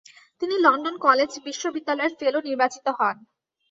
তিনি লন্ডন কলেজ-বিশ্ববিদ্যালয়ের ফেলো নির্বাচিত হন।